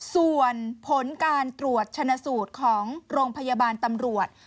ส่วนผลการตรวจชนะสูตรของโรงพยาบาลตำรวจ